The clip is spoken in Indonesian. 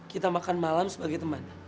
kita makan malam sebagai teman